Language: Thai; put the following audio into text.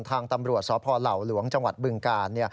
ทางตำรวจสลหลวงจบึงกาล